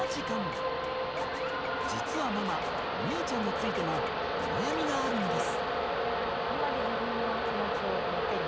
実はママお兄ちゃんについてもお悩みがあるんです。